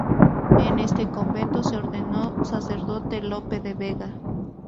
En este convento se ordenó sacerdote Lope de Vega.